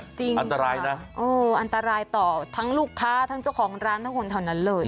อันตรายนะเอออันตรายต่อทั้งลูกค้าทั้งเจ้าของร้านทั้งคนเท่านั้นเลย